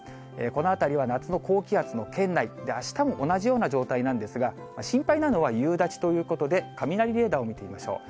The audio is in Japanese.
この辺りは夏の高気圧の圏内、あしたも同じような状態なんですが、心配なのは夕立ということで、雷レーダーを見てみましょう。